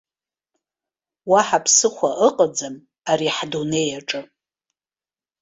Уаҳа ԥсыхәа ыҟаӡам ари ҳдунеи аҿы.